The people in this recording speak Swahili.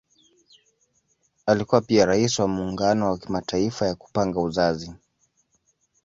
Alikuwa pia Rais wa Muungano ya Kimataifa ya Kupanga Uzazi.